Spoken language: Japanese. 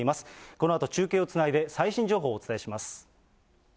このあと中継をつないで最新情報をお伝えします。